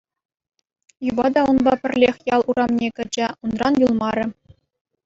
Юпа та унпа пӗрлех ял урамне кӗчӗ, унран юлмарӗ.